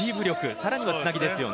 さらには、つなぎですね。